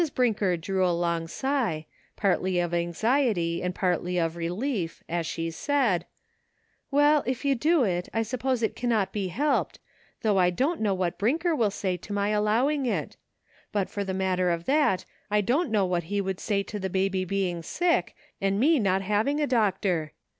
Brinker drew a long sigh, partly of anxiety and partly of relief, as she said : "Well, if you will do it 1 suppose it cannot be helped, though I don't know what Brinker will say to my allowing it ; but for the matter of that I don't know what he would say to the baby being sick and me not having a doctor.